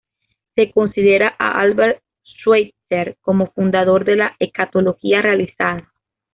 Se considera a Albert Schweitzer como fundador de la Escatología Realizada.